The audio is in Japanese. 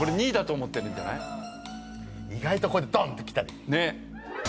意外とこれでドンってきたり。